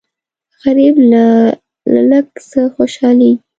غریب له لږ څه خوشالېږي